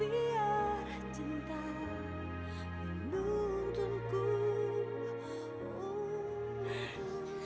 biar cinta menuntunku